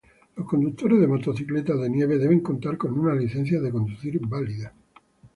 Los conductores de motocicletas de nieve deben contar con una licencia de conducir válida.